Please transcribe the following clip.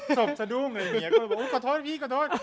แล้วก็แบบเฮ้ยขอโทษเหี้ยขอโทษ